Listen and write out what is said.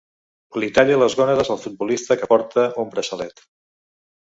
Li talli les gònades al futbolista que porta un braçalet.